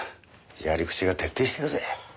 やり口が徹底してるぜ。